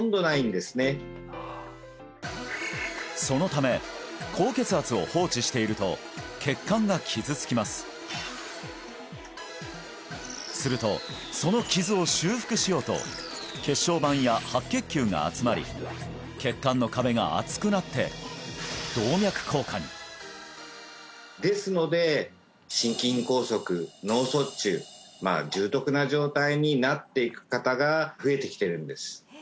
そのため高血圧を放置していると血管が傷つきますするとその傷を修復しようと血小板や白血球が集まり血管の壁が厚くなって動脈硬化にですので心筋梗塞脳卒中重篤な状態になっていく方が増えてきてるんです